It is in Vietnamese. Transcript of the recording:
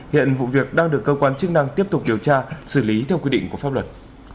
hiện vụ việc đang được cơ quan chức năng tiếp tục điều tra xử lý theo quy định của pháp luật